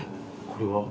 これは？